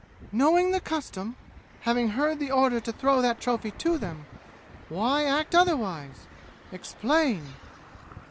"Knowing the custom having heard the order to throw that trophy to them why act otherwise? Explain!"